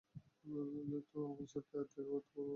তো, আমার সাথে আর কথা বলবে না?